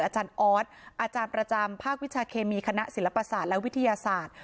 อาจารย์ออสอาจารย์ประจำภาควิชาเคมีคณะศิลปศาสตร์และวิทยาศาสตร์